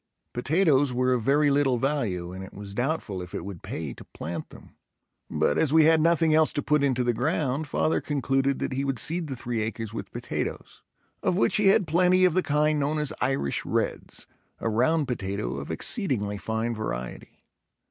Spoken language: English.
Potatoes were of very little value and it was doubtful if it would pay to plant them, but as we had nothing else to put into the ground father concluded that he would seed the three acres with potatoes, of which he had plenty of the kind known as Irish Reds, a round potato of exceedingly fine variety.